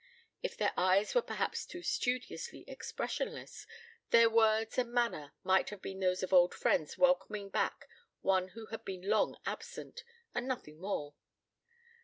If their eyes were perhaps too studiously expressionless, their words and manner might have been those of old friends welcoming back one who had been long absent and nothing more.